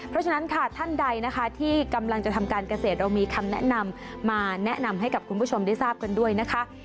เพราะฉะนั้นค่ะท่านใดนะคะที่กำลังจะทำการเกษตรเรามีคำแนะนำมาแนะนำให้กับคุณผู้ชมได้ทราบกันด้วยนะคะ